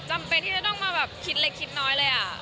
จำเป็นที่จะต้องมาแบบคิดเล็กคิดน้อยเลย